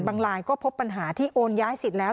ลายก็พบปัญหาที่โอนย้ายสิทธิ์แล้ว